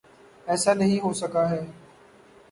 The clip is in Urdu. ایسا نہیں ہو سکا ہے۔